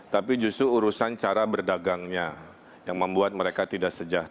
tapi justru urusan cara berdagangnya yang membuat mereka tidak sejahtera